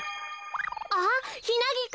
あっヒナギク。